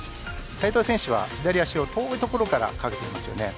斉藤選手は左足を遠いところからかけています。